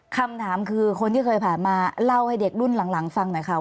คำถามคือคนที่เคยผ่านมาเล่าให้เด็กรุ่นหลังฟังหน่อยค่ะ